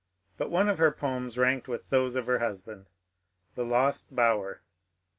But one of her poems ranked with those of her husband,— ^^ The Lost Bower."